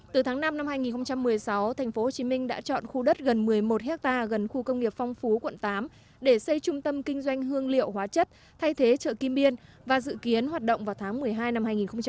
từ tháng năm năm hai nghìn một mươi sáu tp hcm đã chọn khu đất gần một mươi một hectare gần khu công nghiệp phong phú quận tám để xây trung tâm kinh doanh hương liệu hóa chất thay thế chợ kim biên và dự kiến hoạt động vào tháng một mươi hai năm hai nghìn một mươi chín